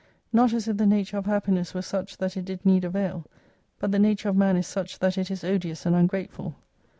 Not as if the nature of happiness were such that it did need a veil : but the nature of man is such that it is odious and ungrateful.